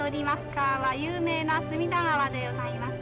川は有名な隅田川でございます。